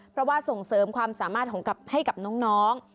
เพราะว่าส่งเสริมความสามารถให้กับน้อง